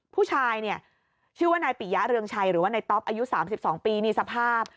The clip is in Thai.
ผู้ชายเนี่ยชื่อว่านายปิยะเรืองชัยหรือว่านายต๊อปอายุ๓๒ปีนี่สภาพ